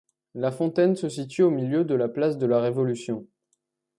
La fontaine se situe au milieu de la place de la Révolution.